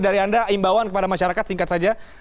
dari anda imbauan kepada masyarakat singkat saja